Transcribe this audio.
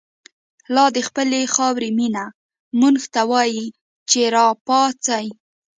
لا دخپلی خاوری مینه، مونږ ته وایی چه ر ا پا څۍ